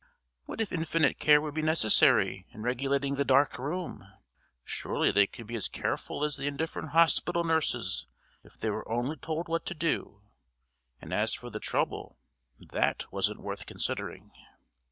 What if infinite care would be necessary in regulating the "dark room," surely they could be as careful as the indifferent hospital nurses if they were only told what to do, and as for the trouble, that wasn't worth considering.